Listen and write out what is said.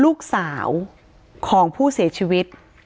ลูกสาวของผู้เสียชีวิต